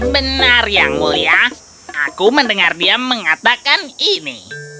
benar yang mulia aku mendengar dia mengatakan ini